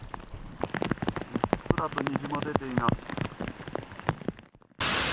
うっすらと虹も出ています。